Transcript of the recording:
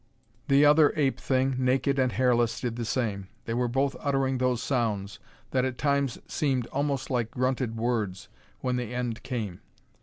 The other ape thing, naked and hairless, did the same. They were both uttering those sounds, that at times seemed almost like grunted words, when the end came.